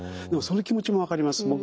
でもその気持ちも分かります。